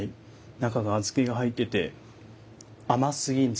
中が小豆が入っていて甘すぎず。